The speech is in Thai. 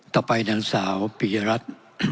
ต่อไปนางสาวปียรัฐ